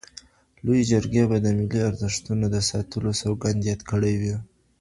لويې جرګي به د ملي ارزښتونو د ساتلو سوګند ياد کړی وي.